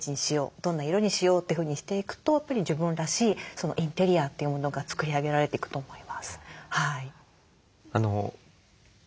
どんな色にしようというふうにしていくとやっぱり自分らしいインテリアというものが作り上げられていくと思います。